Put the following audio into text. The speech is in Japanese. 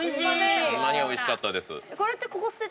ホンマにおいしかったです。